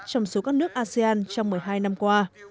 trong số các nước asean trong một mươi hai năm qua